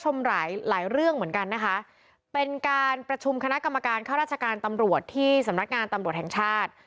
หลายหลายเรื่องเหมือนกันนะคะเป็นการประชุมคณะกรรมการค่าราชการตำรวจที่สำนักงานตำรวจแห่งชาติ